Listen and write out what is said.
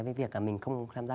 với việc là mình không tham gia